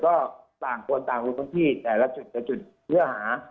ก็ต่างคนต่างพื้นที่แต่ละจุดเพื่อหา